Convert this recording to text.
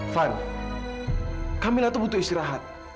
fad camilla tuh butuh istirahat